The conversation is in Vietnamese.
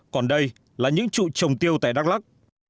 còn đây là những trụ trồng tiêu tại đắk lắc